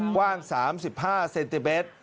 กว้าง๓๕เซนติเมตร